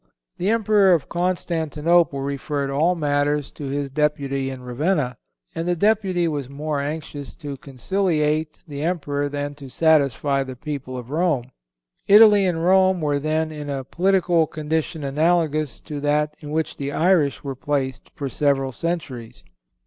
The Emperor of Constantinople referred all matters to his deputy in Ravenna, and the deputy was more anxious to conciliate the Emperor than to satisfy the people of Rome. Italy and Rome were then in a political condition analogous to that in which the Irish were placed for several centuries.